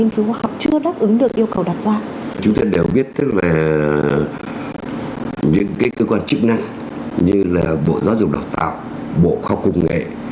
như là bộ giáo dục đào tạo bộ khoa công nghệ